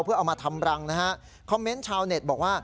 เพื่อเอามาทำรังนะฮะ